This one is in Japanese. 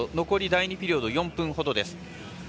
残り第２ピリオド４分ほどです。